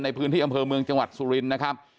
ในพื้นที่อำเภอเมืองจังหวัดสุรินทร์นะครับ